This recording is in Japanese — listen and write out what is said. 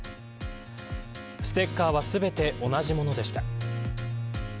ステッカーは全て同じものでした。